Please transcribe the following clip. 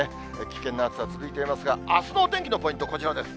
危険な暑さ続いていますが、あすのお天気のポイント、こちらです。